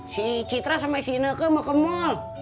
si citra sampe gineke mau ke mall